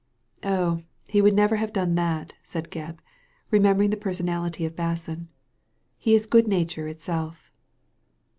Oh, he would never have done that," said Gebb, remembering the personality of Basson, "he is good nature itself."